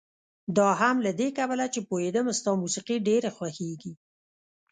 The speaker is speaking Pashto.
دا هم له دې کبله چې پوهېدم ستا موسيقي ډېره خوښېږي.